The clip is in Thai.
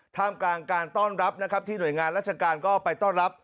ท่ามกลางการต้อนรับนะครับที่หน่วยงานราชการก็ไปต้อนรับ